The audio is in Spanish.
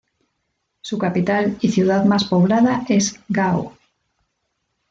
Su capital y ciudad más poblada es Gao.